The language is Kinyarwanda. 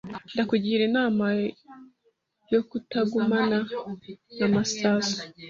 Ndakugira inama yo kutagumana na Masasu.